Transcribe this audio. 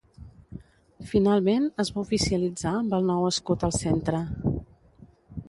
Finalment, es va oficialitzar amb el nou escut al centre.